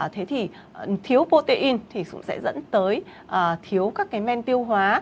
thế thì thiếu protein thì sẽ dẫn tới thiếu các cái men tiêu hóa